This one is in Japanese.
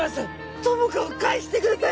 友果を返してください！